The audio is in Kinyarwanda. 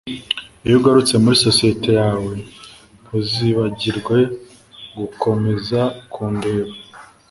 Iyo ugarutse muri sosiyete yawe ntuzibagirwe gukomeza kundeba